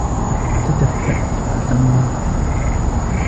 تدفأت علي النار.